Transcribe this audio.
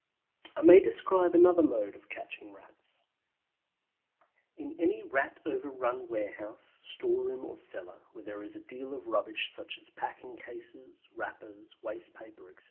I may describe another mode of catching Rats. In any Rat overrun warehouse, storeroom, or cellar, where there is a deal of rubbish such as packing cases, wrappers, waste paper, etc.